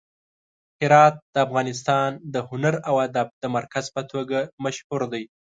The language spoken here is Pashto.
هرات د افغانستان د هنر او ادب د مرکز په توګه مشهور دی.